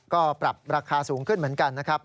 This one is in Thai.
ก็ปรับราคาสูงขึ้นเหมือนกันนะครับ